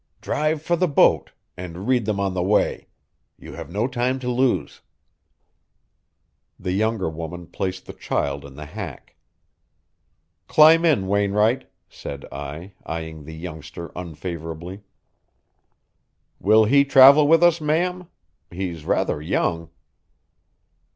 "Drive for the boat, and read them on the way. You have no time to lose." The younger woman placed the child in the hack. "Climb in, Wainwright," said I, eying the youngster unfavorably. "Will he travel with us, ma'am? He's rather young."